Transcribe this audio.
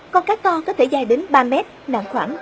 con cá to có thể dài đến ba mét nặng khoảng ba trăm linh ký